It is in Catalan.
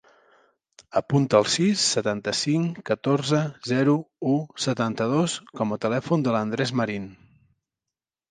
Apunta el sis, setanta-cinc, catorze, zero, u, setanta-dos com a telèfon de l'Andrés Marin.